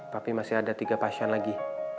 tapi masih ada tiga pasien lagi